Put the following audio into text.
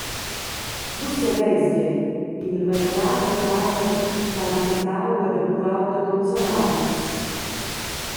Vus saveis gie, il venerabel pader che ha visitau ed empruau da consolar Vus.